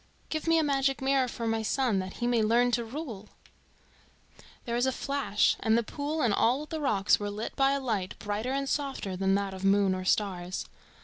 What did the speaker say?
"Give me a magic mirror for my son, that he may learn to rule." There was a flash, and the pool and all the rocks were lit by a light brighter and softer than that of moon or stars.